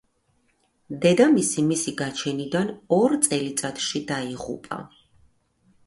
დედამისი მისი გაჩენიდან ორ წელიწადში დაიღუპა.